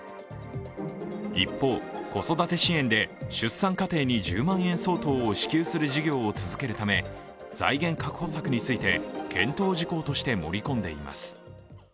一方、子育て支援で出産家庭に１０万円相当を支給する事業を続けるため財源確保策について検討事項として盛り込んでいます。